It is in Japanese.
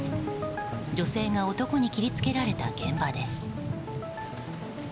女性が男に切り付けられた現場です。